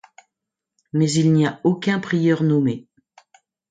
Mais il n'y avait aucun prieur nommé.